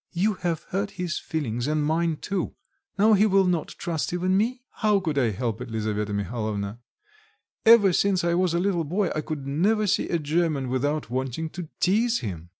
"You have hurt his feelings and mine too. Now he will not trust even me." "How could I help it, Lisaveta Mihalovna? Ever since I was a little boy I could never see a German without wanting to teaze him."